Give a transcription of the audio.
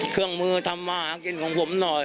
เครื่องมือทำมาหากินของผมหน่อย